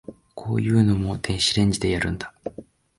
こういうのも電子レンジでやるんだ